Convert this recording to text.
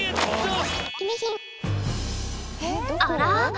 あら？